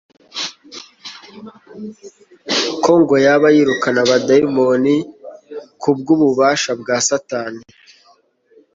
ko nGo yaba yirukana abadayimoni kubw'ububasha bwa Satani.